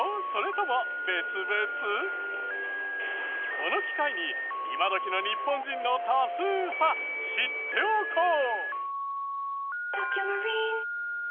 この機会に今どきの日本人の多数派知っておこう。